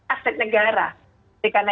aset negara jadi karena